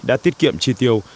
đã tiết kiệm chi tiêu